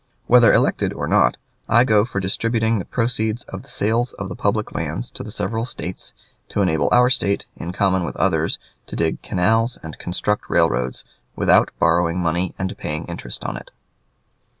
Whether elected or not, I go for distributing the proceeds of the sales of the public lands to the several States, to enable our State, in common with others, to dig canals and construct railroads without borrowing money and paying interest on it.